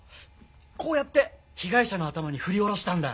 こうやって被害者の頭に振り下ろしたんだ。